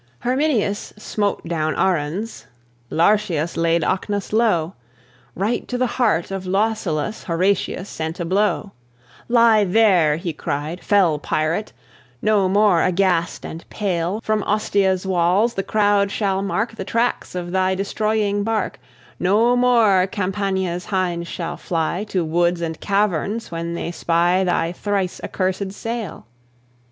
Herminius smote down Aruns; Lartius laid Ocnus low; Right to the heart of Lausulus Horatius sent a blow. "Lie there," he cried, "fell pirate! No more, aghast and pale, From Ostia's walls the crowd shall mark The tracks of thy destroying bark, No more Campania's hinds shall fly To woods and caverns when they spy Thy thrice accurséd sail."